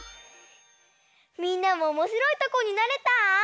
みんなもおもしろいタコになれた？